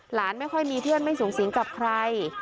ไม่ค่อยมีเพื่อนไม่สูงสิงกับใคร